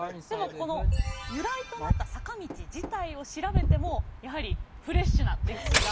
この由来となった坂道自体を調べてもやはりフレッシュな歴史が。